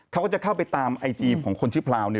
เขาก็จะเข้าไปตามไอจีของคนชื่อพราวเนี่ย